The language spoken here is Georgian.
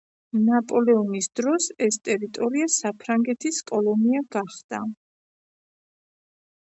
ნაპოლეონის დროს ეს ტერიტორია საფრანგეთის კოლონია გახდა.